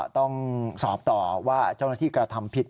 ต้องสอบต่อว่าเจ้าหน้าที่กระทำผิด